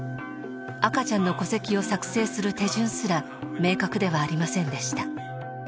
赤ちゃんの戸籍を作成する手順すら明確ではありませんでした。